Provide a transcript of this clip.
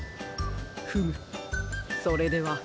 フムそれでは。